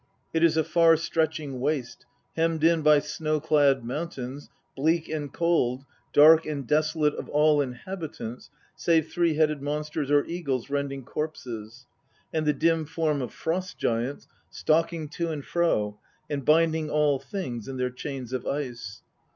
It is a far stretching waste, hemmed in by snow clad mountains, bleak and cold, dark and desolate of all inhabitants save three headed monsters or eagles rending corpses, and the dim form of Frost giants stalking to and fro, and binding all things in their chains of ice.